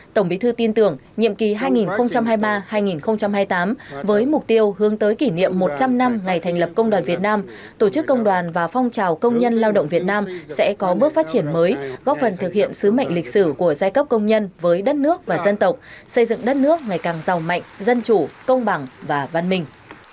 tổng bí thư tin tưởng nhiệm kỳ hai nghìn hai mươi ba hai nghìn hai mươi tám với mục tiêu hướng tới kỷ niệm một trăm linh năm ngày thành lập công đoàn việt nam tổ chức công đoàn và phong trào công nhân lao động việt nam sẽ có bước phát triển mới góp phần thực hiện sứ mệnh lịch sử của giai cấp công nhân với đất nước và dân tộc xây dựng đất nước ngày càng giàu mạnh dân chủ công bằng và văn minh